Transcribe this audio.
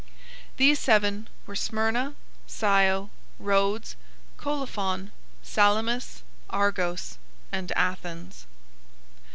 These seven were Smyrna, Scio, Rhodes, Colophon, Salamis, Argos, and Athens.